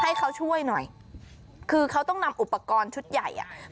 ให้เขาช่วยหน่อยคือเขาต้องนำอุปกรณ์ชุดใหญ่อ่ะ